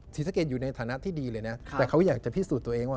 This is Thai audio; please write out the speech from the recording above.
ศรีสะเกดอยู่ในฐานะที่ดีเลยนะแต่เขาอยากจะพิสูจน์ตัวเองว่า